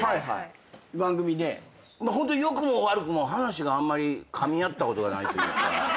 良くも悪くも話があんまりかみ合ったことがないというか。